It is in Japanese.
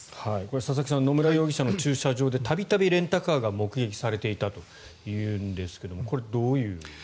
佐々木さん野村容疑者の駐車場で度々レンタカーが目撃されていたというんですがこれはどういう？